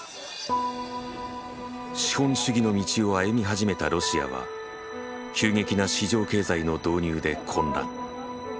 資本主義の道を歩み始めたロシアは急激な市場経済の導入で混乱。